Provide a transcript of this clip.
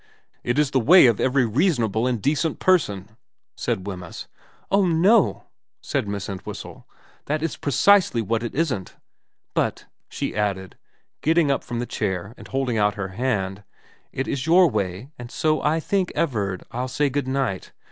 ' It is the way of every reasonable and decent person,' said Wemyss. * Oh no,' said Miss Entwhistle. ' That is precisely what it isn't. But,' she added, getting up from the chair and holding out her hand, ' it is your way, and so I think, Everard, I'll say good night.